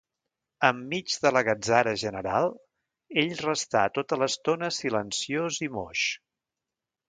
Enmig de la gatzara general, ell restà tota l'estona silenciós i moix.